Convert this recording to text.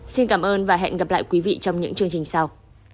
xin cảm ơn và hẹn gặp lại quý vị trong những chương trình sau